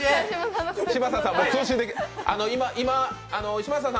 嶋佐さん！